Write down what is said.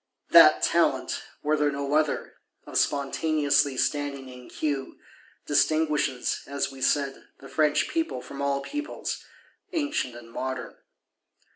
That talent, were there no other, of spontaneously standing in queue, distinguishes, as we said, the French People from all Peoples, ancient and modern.